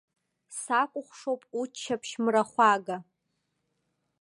Сакәыхшоуп уччаԥшь мрахәага.